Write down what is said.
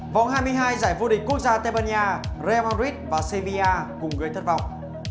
vòng hai mươi hai giải vô địch quốc gia tây ban nha real marid và cbia cùng gây thất vọng